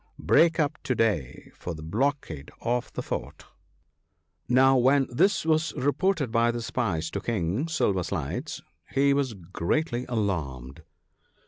" Break up to day for the blockade of the fort." Now, when this was reported by the spies to King Silver sides, he was greatly alarmed.